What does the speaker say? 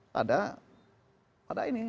pada pada ini